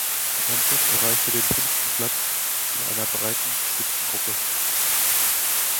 Die Mannschaft erreichte den fünften Platz in einer breiten Spitzengruppe.